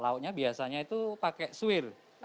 lautnya biasanya itu pakai suwir